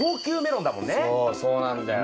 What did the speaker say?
そうそうなんだよ。